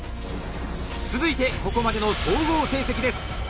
続いてここまでの総合成績です！